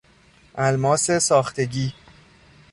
الماس ساختگی